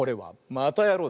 またやろう！